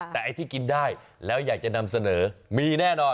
แต่ไอ้ที่กินได้แล้วอยากจะนำเสนอมีแน่นอน